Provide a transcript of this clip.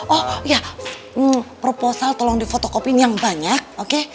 oh ya proposal tolong difotokopin yang banyak oke